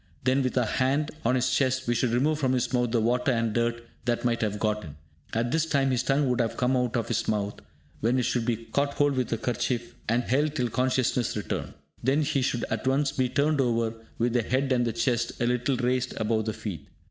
Then, with our hand on his chest, we should remove from his mouth the water and dirt that might have got in. At this time his tongue would come out of his mouth, when it should be caught hold of with a kerchief, and held till consciousness returns. Then he should at once be turned over, with the head and the chest a little raised above the feet.